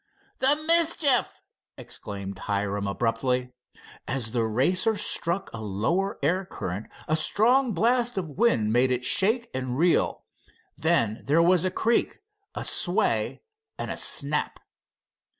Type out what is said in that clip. "The mischief!" exclaimed Hiram abruptly as the Racer struck a lower air current a strong blast of wind made it shake and reel. Then there was a creak, a sway and a snap.